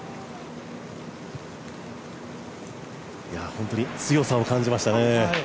本当に強さを感じましたね。